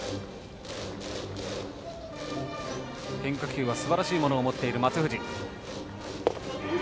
変化球はすばらしいものを持っている松藤。